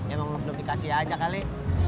emang belum dikasih aja kali